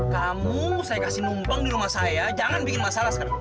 kamu saya kasih numpang di rumah saya jangan bikin masalah sekarang